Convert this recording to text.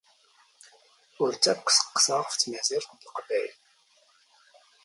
ⵓⵔ ⵜ ⴰⴽⴽⵯ ⵙⵇⵇⵙⴰⵖ ⴼ ⵜⵎⴰⵣⵉⵔⵜ ⵏ ⵍⵇⴱⴰⵢⵍ.